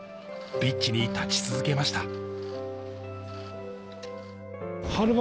ピッチに立ち続けました。